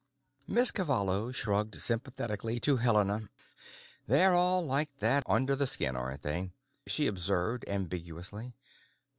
Miss Cavallo shrugged sympathetically to Helena. "They're all like that under the skin, aren't they?" she observed ambiguously.